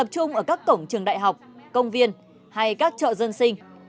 chung ở các cổng trường đại học công viên hay các chợ dân sinh